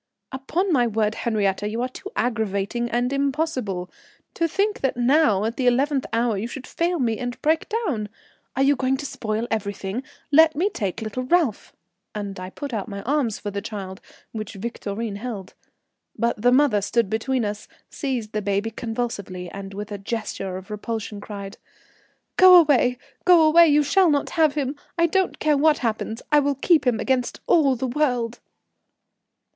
"Upon my word, Henriette, you are too aggravating and impossible. To think that now at the eleventh hour you should fail me and break down. Are you going to spoil everything! Let me take little Ralph;" and I put out my arms for the child, which Victorine held. But the mother stood between us, seized the baby convulsively, and with a gesture of repulsion cried: "Go away, go away, you shall not have him. I don't care what happens, I will keep him against all the world."